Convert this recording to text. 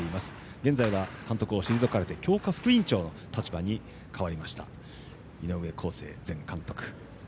現在は、監督を退かれて強化副委員長の立場に変わりました井上康生前監督。